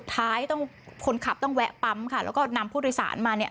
ท้ายต้องคนขับต้องแวะปั๊มค่ะแล้วก็นำผู้โดยสารมาเนี่ย